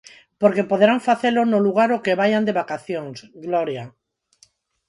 Porque poderán facelo no lugar ao que vaian de vacacións, Gloria.